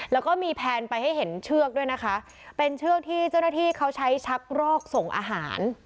แล้วก็มีแพนไปให้เห็นเชือกด้วยนะคะเป็นเชือกที่เจ้าหน้าที่เขาใช้ชักรอกส่งอาหาร